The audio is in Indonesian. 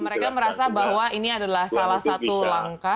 mereka merasa bahwa ini adalah salah satu langkah